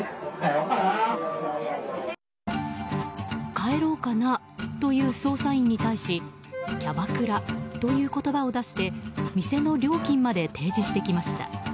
帰ろうかなという捜査員に対しキャバクラという言葉を出して店の料金まで提示してきました。